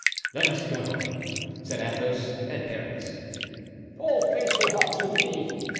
"Let us go," said Athos and Aramis. "All faithful hearts with me!"